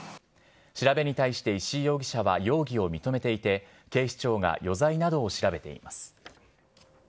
調べに対して石井容疑者は容疑を認めていて、警視庁が余罪などを調べています。